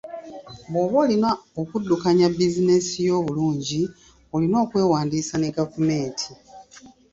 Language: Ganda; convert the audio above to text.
Bwoba oli wa kuddukanya bizinensi yo bulungi, olina okwewandiisa ne gavumenti.